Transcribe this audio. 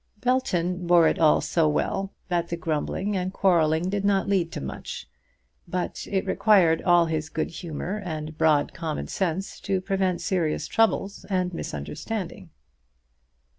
Belton bore it all so well that the grumbling and quarrelling did not lead to much; but it required all his good humour and broad common sense to prevent serious troubles and misunderstanding.